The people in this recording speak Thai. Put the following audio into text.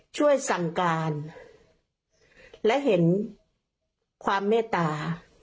ช่วยสั่งการและเห็นความเมตตา